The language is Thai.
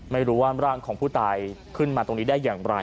ไม่รู้ว่าร่างของผู้ตายขึ้นมาตรงนี้ได้อย่างไร